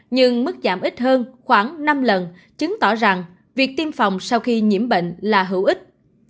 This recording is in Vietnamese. nhưng mức giảm ít hơn khoảng năm lần chứng tỏ rằng việc tiêm phòng sau khi nhiễm bệnh là hữu ích